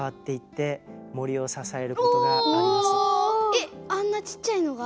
えあんなちっちゃいのが？